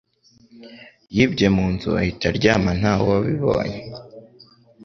Yibye mu nzu ahita aryama ntawe abibonye